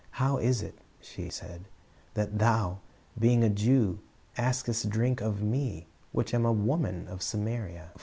"How is it," she said, "that Thou, being a Jew, askest drink of me, which am a woman of Samaria?"